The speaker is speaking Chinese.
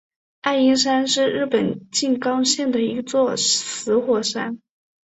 爱鹰山是日本静冈县的一座死火山。